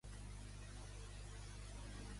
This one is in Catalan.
Quina festivitat dedicaven a Dionís Làmpteros?